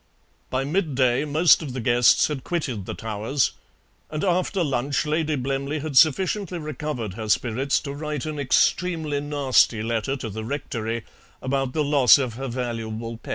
By midday most of the guests had quitted the Towers, and after lunch Lady Blemley had sufficiently recovered her spirits to write an extremely nasty letter to the Rectory about the loss of her valuable pet.